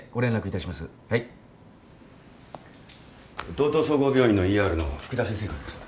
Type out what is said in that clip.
道東総合病院のＥＲの福田先生からでした。